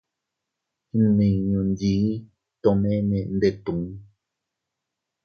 Nmiñu nchii tomene ndetun.